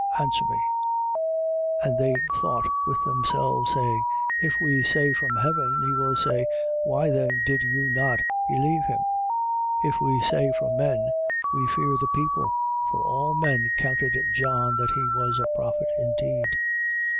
Answer me. 11:31. But they thought with themselves, saying: If we say, From heaven; he will say, Why then did you not believe him? 11:32. If we say, From men, we fear the people. For all men counted John that he was a prophet indeed.